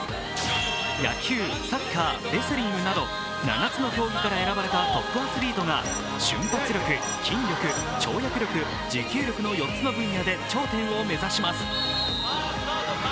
野球、サッカー、レスリングなど７つの競技から選ばれたトップアスリートが瞬発力、筋力、跳躍力、持久力の４つの分野で頂点を目指します。